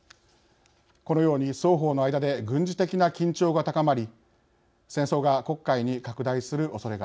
このように双方の間で軍事的な緊張が高まり戦争が黒海に拡大するおそれがあります。